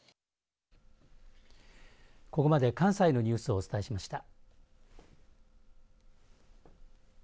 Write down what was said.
ここまで関西のニュースをお伝えしました。